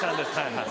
はい。